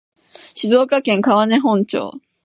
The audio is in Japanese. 静岡県川根本町